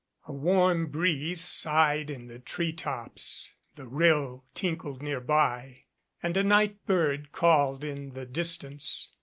A warm breeze sighed in the tree tops, the rill tinkled nearby, and a night bird called in the distance.